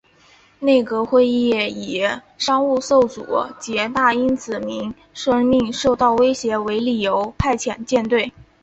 内阁会议以商务受阻及大英子民生命受到威胁为理由派遣舰队。